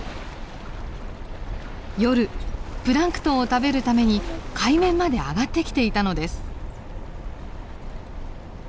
夜プランクトンを食べるために海面まで上がってきていたのです。